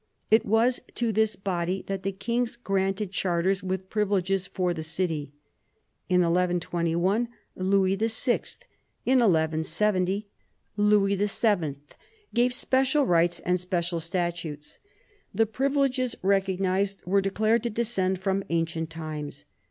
It was to this body that the kings granted charters with privileges for the city. In 1121 Louis VI., in 1170 Louis VII. , gave special rights and special statutes. The privileges recognised were declared to descend from ancient times.